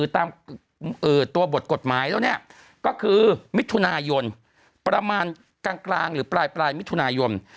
ตามตัวบทกฎหมายแล้วเนี่ยก็คือมิถุนายนประมาณกลางหรือปลายมิถุนายน